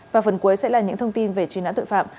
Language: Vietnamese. và phần cuối sẽ là những thông tin về truy nã tội phạm